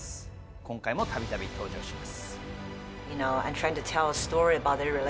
今回もたびたび登場します。